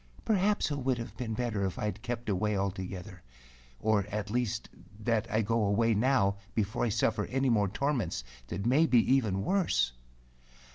Perhaps it would have been better if I had kept away altogether; or at least that I go away now before I suffer any more torments that may be even worse."